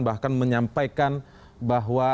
bahkan menyampaikan bahwa